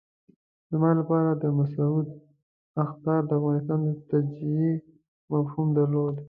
زما لپاره د مسعود اخطار د افغانستان د تجزیې مفهوم درلود.